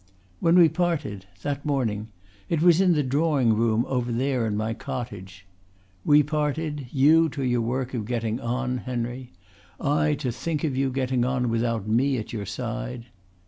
"When we parted that morning it was in the drawing room over there in my cottage. We parted, you to your work of getting on, Henry, I to think of you getting on without me at your side.